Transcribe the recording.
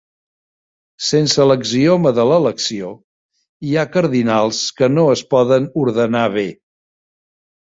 Sense l'axioma de l'elecció, hi ha cardinals que no es poden ordenar bé.